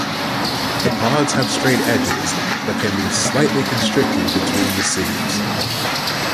The pods have straight edges but can be slightly constricted between the seeds.